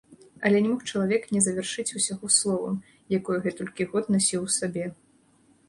Але не мог чалавек не завяршыць усяго словам, якое гэтулькі год насіў у сабе.